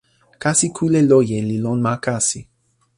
kasi kule loje li lon ma kasi.